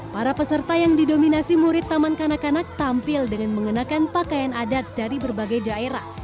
para peserta yang didominasi murid taman kanak kanak tampil dengan mengenakan pakaian adat dari berbagai daerah